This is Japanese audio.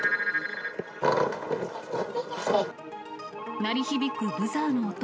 鳴り響くブザーの音。